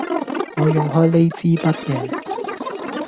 我用開呢枝筆嘅